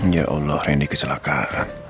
ya allah rendi kecelakaan